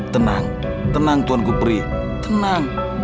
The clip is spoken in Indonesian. tenang tenang tuanku pri tenang